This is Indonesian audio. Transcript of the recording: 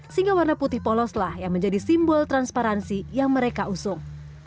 sehingga warna putih poloslah yang menjadi simbol transparansi yang mereka usung